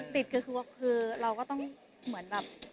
ติดก็คือเราก็ต้องเหมือนแบบ